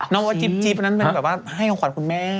ว่าจิ๊บอันนั้นเป็นแบบว่าให้ของขวัญคุณแม่